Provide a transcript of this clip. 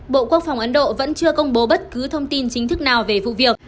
bộ quốc phòng ấn độ vẫn chưa công bố bất cứ thông tin chính thức nào về vụ việc